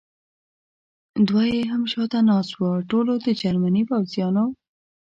دوه یې هم شاته ناست و، ټولو د جرمني پوځیانو.